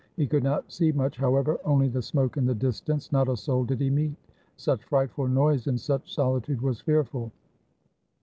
He could not see much, however, only the smoke in the distance. Not a soul did he meet. Such frightful noise in such solitude was fearful.